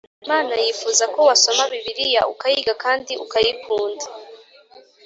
Imana yifuza ko wasoma Bibiliya ukayiga kandi ukayikunda